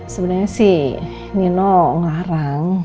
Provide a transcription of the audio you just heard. sebenarnya sih nino ngarang